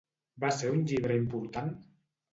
Va ser un llibre important?